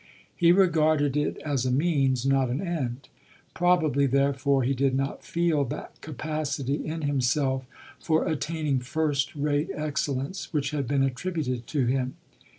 He regarded it as a means, not an end. Probably therefore he did not feel that capacity in himself for attaining first rate excellence, which had been attributed to him.